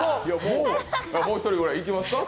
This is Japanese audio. もう一人ぐらいいきますか。